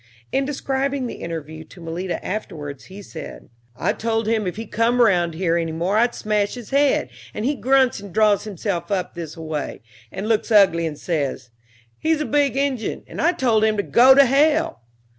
In describing the interview to Malita afterwards he said: "I told him if he cum around here any more I'd smash his head, an' he grunts an' draws himself up this a way, and looks ugly and says, 'he's a big Injun,' and I told him to go to hell!"